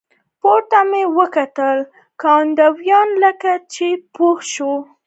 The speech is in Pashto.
پورته مې وکتل، ګاونډي لکه چې پوه شو.